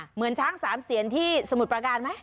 เหมือนช้างสามเสียนที่สมุทรประการไหม